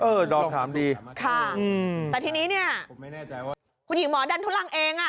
เออต้องถามดีค่ะแต่ทีนี้เนี่ยคุณหญิงหมอดันทุรังเอง